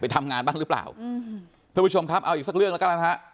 ทำงานบ้างหรือเปล่าอืมท่านผู้ชมครับเอาอีกสักเรื่องแล้วก็แล้วนะฮะ